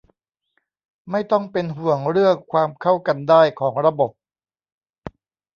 ไม่ต้องเป็นห่วงเรื่องความเข้ากันได้ของระบบ